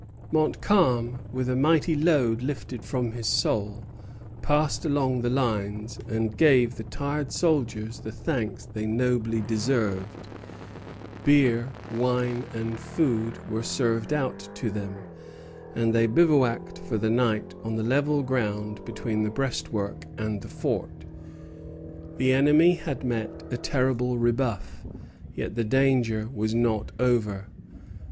See Appendix G. Lévis au Ministre, 13 Juillet, 1758 Montcalm, with a mighty load lifted from his soul, passed along the lines, and gave the tired soldiers the thanks they nobly deserved. Beer, wine, and food were served out to them, and they bivouacked for the night on the level ground between the breastwork and the fort. The enemy had met a terrible rebuff; yet the danger was not over.